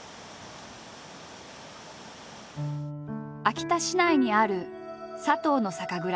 秋田市内にある佐藤の酒蔵。